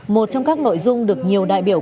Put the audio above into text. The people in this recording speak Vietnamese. một trong các nội dung được nhiều đại biểu